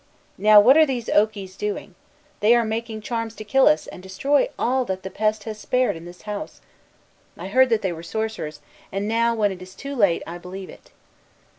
"Now, what are these okies doing? They are making charms to kill us, and destroy all that the pest has spared in this house. I heard that they were sorcerers; and now, when it is too late, I believe it."